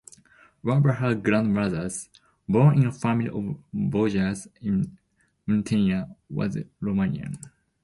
One of her grandmothers, born into a family of boyars in Muntenia, was Romanian.